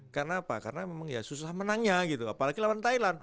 karena apa karena memang ya susah menangnya gitu apalagi lawan thailand